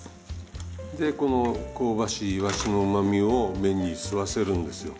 でこの香ばしいイワシのうまみを麺に吸わせるんですよ。